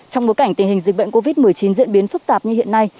trong bối cảnh tình hình dịch bệnh covid một mươi chín diễn biến phức tạp như hiện nay